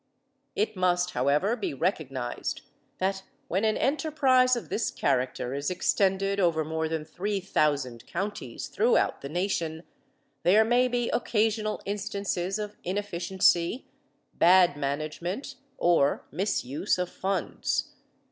It must, however, be recognized that when an enterprise of this character is extended over more than three thousand counties throughout the nation, there may be occasional instances of inefficiency, bad management, or misuse of funds.